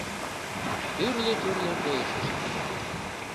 Тӱрлӧ-тӱрлӧ койышышт.